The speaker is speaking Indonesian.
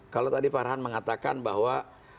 kalau tadi pak arhan mengatakan bahwa